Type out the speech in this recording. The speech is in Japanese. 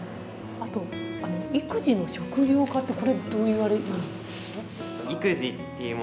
あと、育児の職業化ってこれ、どういうあれなんですか。